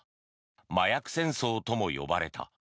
麻薬戦争とも呼ばれた。